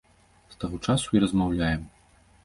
З таго часу і размаўляем.